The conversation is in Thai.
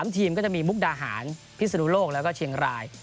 ทีมก็จะมีมุกดาหารพิศนุโลกแล้วก็เชียงราย